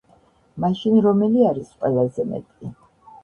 მაშინ რომელი არის ყველაზე მეტი?